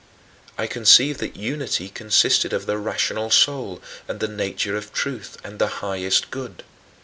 I conceived that unity consisted of the rational soul and the nature of truth and the highest good.